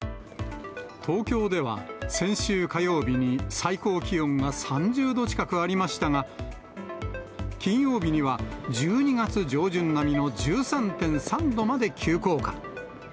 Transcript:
東京では先週火曜日に最高気温が３０度近くありましたが、金曜日には１２月上旬並みの１３．３度まで急降下。